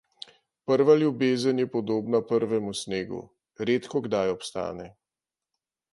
Prva ljubezen je podobna prvemu snegu; redkokdaj obstane.